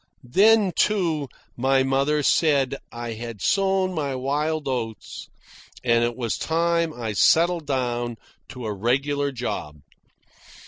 Then, too, my mother said I had sown my wild oats and it was time I settled down to a regular job.